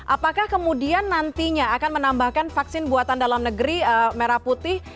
apakah kemudian nantinya akan menambahkan vaksin buatan dalam negeri merah putih